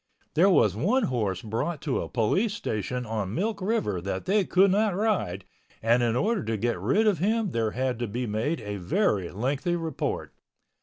There was one horse brought to a police station on Milk River that they could not ride and in order to get rid of him there had to be made a very lengthy report.